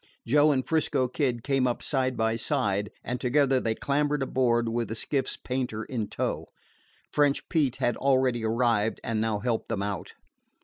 Joe and 'Frisco Kid came up side by side, and together they clambered aboard with the skiff's painter in tow. French Pete had already arrived, and now helped them out.